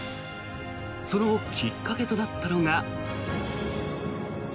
そのきっかけとなったのが。